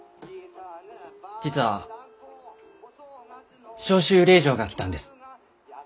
実は召集令状が来たんです。